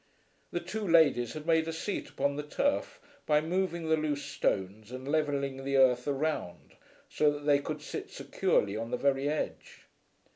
The two ladies had made a seat upon the turf, by moving the loose stones and levelling the earth around, so that they could sit securely on the very edge.